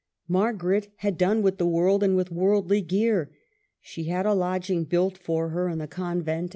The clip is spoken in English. Margaret had done with the world and with worldly gear. She had a lodging built for her in the convent THE END.